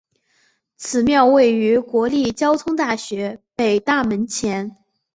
此庙位于国立交通大学北大门前。